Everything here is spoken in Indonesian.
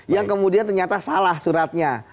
yang kemudian ternyata salah suratnya